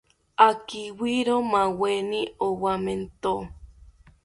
Akibiro maweni owamento